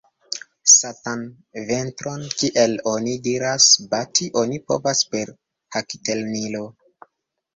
Satan ventron, kiel oni diras, bati oni povas per hakiltenilo.